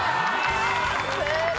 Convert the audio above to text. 正解！